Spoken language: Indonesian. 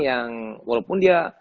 yang walaupun dia